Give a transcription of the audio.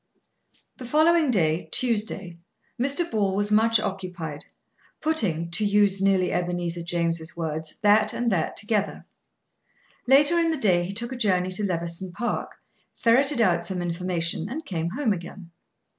The following day, Tuesday, Mr. Ball was much occupied, putting, to use nearly Ebenezer James' words, that and that together. Later in the day he took a journey to Levison Park, ferreted out some information, and came home again.